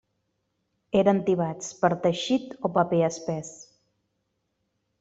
Eren tibats per teixit o paper espès.